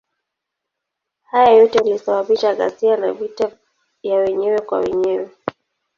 Hayo yote yalisababisha ghasia na vita ya wenyewe kwa wenyewe.